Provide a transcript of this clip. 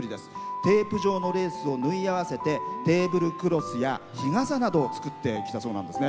テープ状のレースを縫い合わせてテーブルクロスや日傘などを作ってきたそうなんですね。